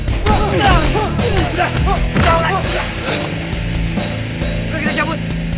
udah kita cabut